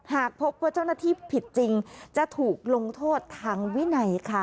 หากพบว่าเจ้าหน้าที่ผิดจริงจะถูกลงโทษทางวินัยค่ะ